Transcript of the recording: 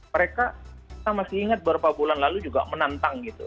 mereka kita masih ingat beberapa bulan lalu juga menantang gitu